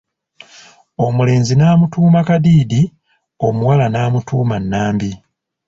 Omulenzi n'amutuuma Kadiidi omuwala n'amutuuma Nambi.